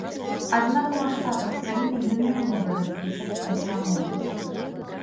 Аднак у маштабах краіны ён не можа разлічваць на перамогу.